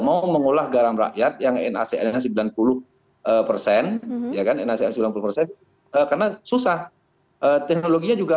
mau mengolah garam rakyat yang naca sembilan puluh karena susah teknologinya juga